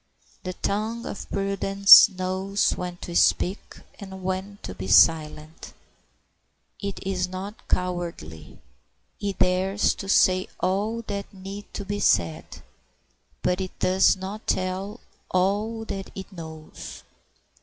The tongue of prudence knows when to speak and when to be silent. It is not cowardly; it dares to say all that need be said, but it does not tell all that it knows.